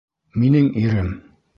Минең ирем!